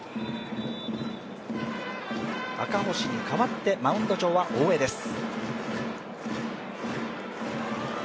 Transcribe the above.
赤星に代わって、マウンド上は大江です。